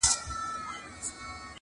هر مشکل ته پیدا کېږي یوه لاره-